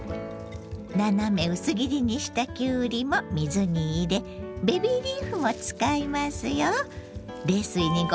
斜め薄切りにしたきゅうりも水に入れベビーリーフも使いますよ。